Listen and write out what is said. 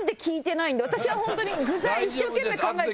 私はホントに具材一生懸命大丈夫です